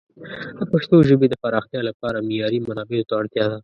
د پښتو ژبې د پراختیا لپاره معیاري منابعو ته اړتیا ده.